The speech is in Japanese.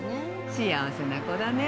幸せな子だね。